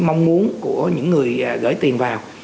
mong muốn của những người gửi tiền vào